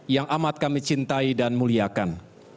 yang amat kami cintai dan muliakan